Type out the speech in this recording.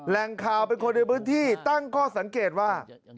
แหล่งข่าวเป็นคนในพื้นที่ตั้งข้อสังเกตว่า